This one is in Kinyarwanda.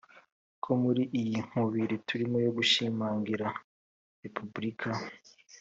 ko muri iyi nkubiri turimo yo gushimangira repubulika